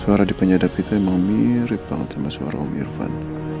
suara dipenyadapi itu emang mirip banget sama suara om irvan